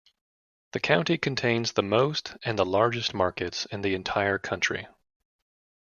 The county contains the most and the largest markets in the entire country.